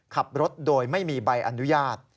ขับรถโดยไม่มีใบอนุญาต